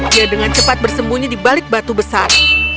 dia dengan cepat bersembunyi di balik batu besar